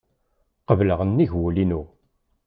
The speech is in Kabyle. Qebleɣ nnig wul-inu.